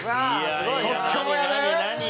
即興やで！